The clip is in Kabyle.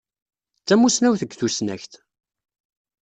D tamussnawt deg tussnakt.